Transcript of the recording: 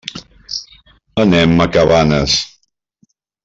Anem a Cabanes.